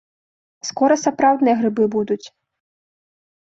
Скора сапраўдныя грыбы будуць.